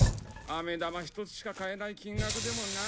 あめ玉一つしか買えない金額でもな。